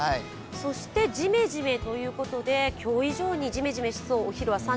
そしてジメジメということで、今日以上にジメジメしそう。